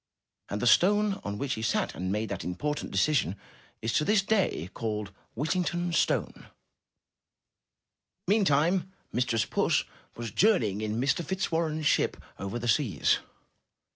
And the stone on which he sat and made that important de cision is to this day called *'Whittington's Stone/* Meantime Mistress Puss was journeying in Mr. Fitzwarren's ship over the seas.